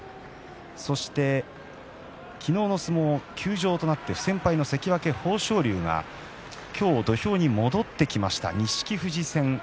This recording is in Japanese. そして昨日の相撲、休場となって不戦敗の関脇豊昇龍が今日、土俵に戻ってきました錦富士戦。